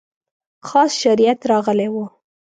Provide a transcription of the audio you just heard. خاص شریعت راغلی و.